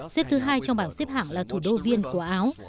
xếp thứ hai trong bảng xếp hạng là thủ đô viên của áo